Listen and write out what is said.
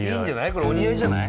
これお似合いじゃない？